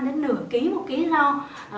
đến nửa ký một ký rau